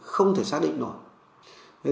không thể xác định